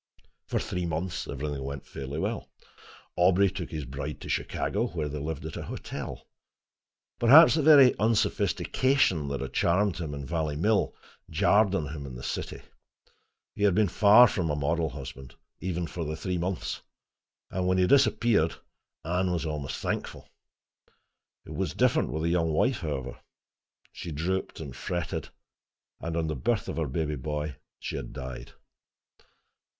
For three months everything went fairly well. Aubrey took his bride to Chicago, where they lived at a hotel. Perhaps the very unsophistication that had charmed him in Valley Mill jarred on him in the city. He had been far from a model husband, even for the three months, and when he disappeared Anne was almost thankful. It was different with the young wife, however. She drooped and fretted, and on the birth of her baby boy, she had died.